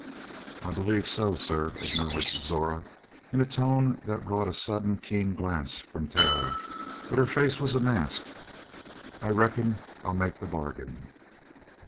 "I believe so, sir," acknowledged Zora in a tone that brought a sudden keen glance from Taylor; but her face was a mask. "I reckon I'll make the bargain."